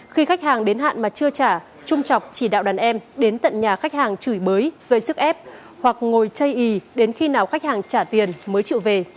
khi khách hàng đến hạn mà chưa trả trung chọc chỉ đạo đàn em đến tận nhà khách hàng chửi bới gây sức ép hoặc ngồi chay y đến khi nào khách hàng trả tiền mới chịu về